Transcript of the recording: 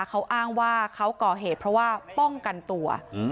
เขาอ้างว่าเขาก่อเหตุเพราะว่าป้องกันตัว